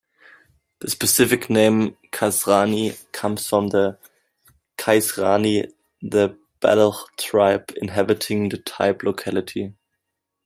The specific name "kasrani" comes from Qaisrani, the Baloch tribe inhabiting the type locality.